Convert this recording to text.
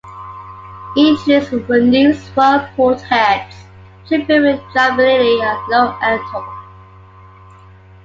Introduced were new "swirl port" heads, which improved driveability and low-end torque.